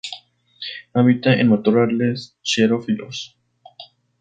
Habita en matorrales xerófilos.